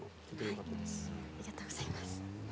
ありがとうございます。